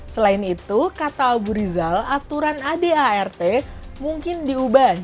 selain itu kata abu rizal aturan adart mungkin diubah